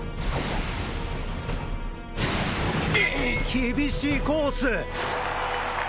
厳しいコース！